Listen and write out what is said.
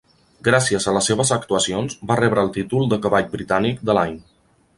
Gràcies a les seves actuacions, va rebre el títol de cavall britànic de l'any.